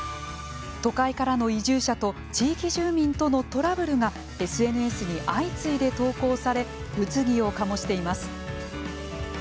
都会からの移住者と地域住民とのトラブルがＳＮＳに相次いで投稿され物議をかもしています。